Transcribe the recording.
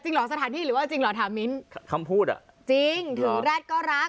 เหรอสถานที่หรือว่าจริงเหรอถามมิ้นคำพูดอ่ะจริงถือแร็ดก็รัก